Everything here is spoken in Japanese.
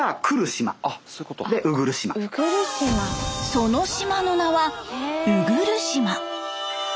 その島の名は鵜来島。